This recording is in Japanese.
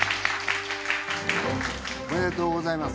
おめでとうございます。